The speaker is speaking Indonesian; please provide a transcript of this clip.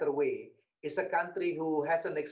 adalah negara yang belum pernah